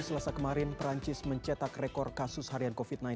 selasa kemarin perancis mencetak rekor kasus harian covid sembilan belas